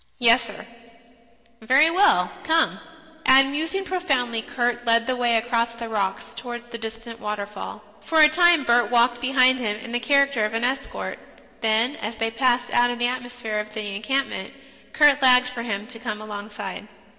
"Yessir." "Very well. Come." And musing profoundly, Kurt led the way across the rocks towards the distant waterfall. For a time Bert walked behind him in the character of an escort; then as they passed out of the atmosphere of the encampment, Kurt lagged for him to come alongside.